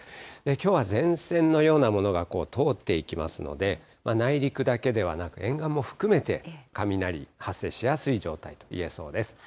きょうは前線のようなものが通っていきますので、内陸だけではなく、沿岸も含めて、雷発生しやすい状態と言えそうです。